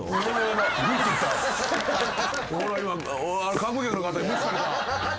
観光客の方に無視された。